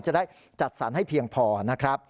จะได้จัดสรรให้เพียงพอนะครับ